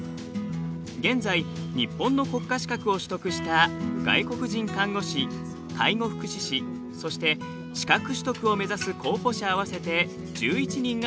現在日本の国家資格を取得した外国人看護師介護福祉士そして資格取得を目指す候補者合わせて１１人が働いています。